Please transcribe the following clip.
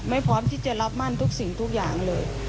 พร้อมที่จะรับมั่นทุกสิ่งทุกอย่างเลย